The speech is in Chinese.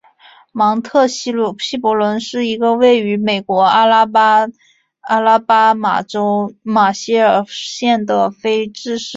芒特希伯伦是一个位于美国阿拉巴马州马歇尔县的非建制地区。